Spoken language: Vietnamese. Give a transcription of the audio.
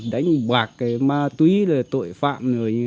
đánh bạc ma túy tội phạm